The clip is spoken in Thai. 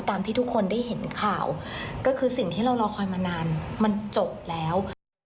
ที่ทุกคนได้เห็นข่าวก็คือสิ่งที่เรารอคอยมานานมันจบแล้ว